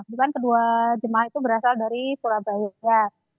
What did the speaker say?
bukan kedua jemaah itu berasal dari surabaya